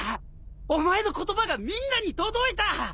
お前の言葉がみんなに届いた！